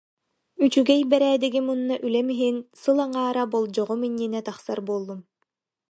Үчүгэй бэрээдэгим уонна үлэм иһин, сыл аҥаара болдьоҕум иннинэ тахсар буоллум